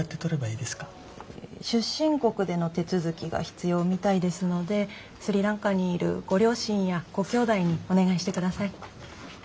出身国での手続きが必要みたいですのでスリランカにいるご両親やご兄弟にお願いしてください。